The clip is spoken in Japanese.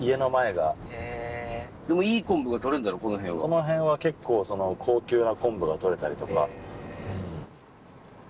この辺は結構高級な昆布が採れたりとか。